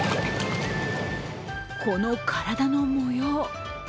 この体の模様